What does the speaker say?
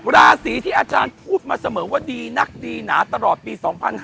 ราศีที่อาจารย์พูดมาเสมอว่าดีนักดีหนาตลอดปี๒๕๕๙